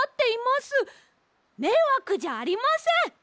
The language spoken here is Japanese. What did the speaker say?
めいわくじゃありません！